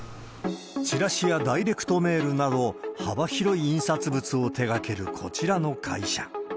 チラシやダイレクトメールなど、幅広い印刷物を手がけるこちらの会社。